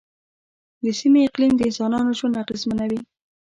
د سیمې اقلیم د انسانانو ژوند اغېزمنوي.